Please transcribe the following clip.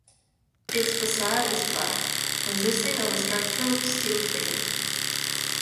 Its facade is black, consisting of a structural steel frame.